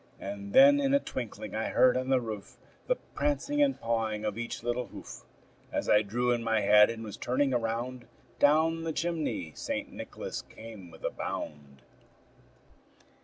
And then in a twinkling I heard on the roof The prancing and pawing of each little hoof. As I drew in my head, and was turning around, Down the chimney St. Nicholas came with a bound.